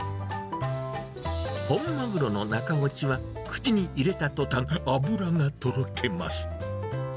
本マグロの中落ちは、口に入れた途端、脂がとろけます。